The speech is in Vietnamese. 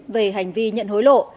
về hành vi nhận hối lộ